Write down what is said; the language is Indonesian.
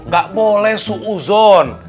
gak boleh suuzon